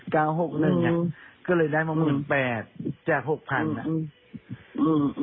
เก้าหกหนึ่งน่ะก็เลยได้มาหมดแปดจากหกพันน่ะอืมอืม